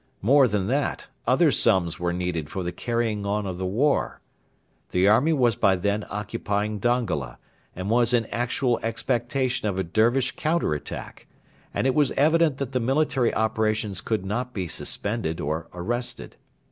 More than that, other sums were needed for the carrying on of the war. The army was by then occupying Dongola, and was in actual expectation of a Dervish counter attack, and it was evident that the military operations could not be suspended or arrested.